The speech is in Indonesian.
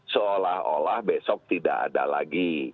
seolah olah besok tidak ada lagi